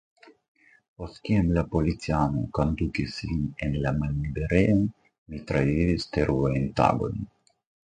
Post kiam la policanoj kondukis vin en la malliberejon, mi travivis terurajn tagojn.